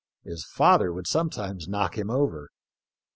His father would sometimes knock him over.